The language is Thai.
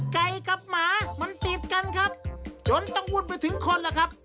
ไก่กับหมามันติดกันครับจนต้องวุ่นไปถึงคนล่ะครับ